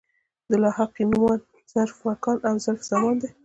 د لاحقې نومان ظرف مکان او ظرف زمان دي.